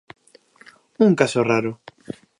Un caso raro.